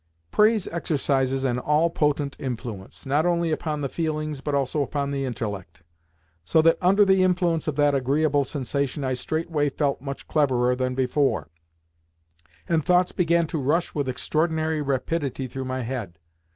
Praise exercises an all potent influence, not only upon the feelings, but also upon the intellect; so that under the influence of that agreeable sensation I straightway felt much cleverer than before, and thoughts began to rush with extraordinary rapidity through my head.